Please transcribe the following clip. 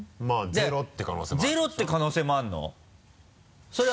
ゼロって可能性もあるんでしょ。